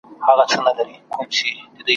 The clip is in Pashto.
د چمن هغه کونج چي په ځنګله ننوتلی ,